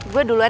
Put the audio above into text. gue duluan ya